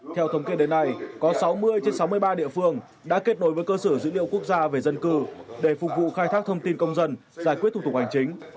theo thống kê đến nay có sáu mươi trên sáu mươi ba địa phương đã kết nối với cơ sở dữ liệu quốc gia về dân cư để phục vụ khai thác thông tin công dân giải quyết thủ tục hành chính